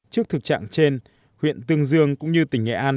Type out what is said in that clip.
trước thực trạng trên huyện tương dương cũng như tỉnh nghệ an